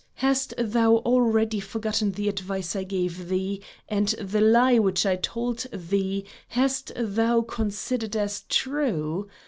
Hast thou already forgotten the advice I gave thee, and the lie which I told thee, hast thou considered as true?